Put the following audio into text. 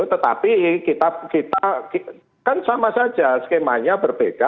tetapi kita kan sama saja skemanya berbeda